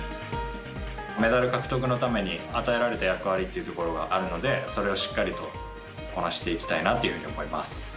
メダル獲得のために与えられた役割があるのでそれをしっかりとこなしていきたいなと思います。